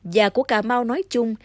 và của cà mau nói chung